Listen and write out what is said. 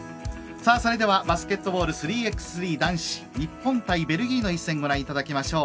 それではバスケットボール３ｘ３男子日本対ベルギーの一戦ご覧いただきましょう。